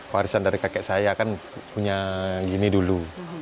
warisan dari kakek saya kan punya gini dulu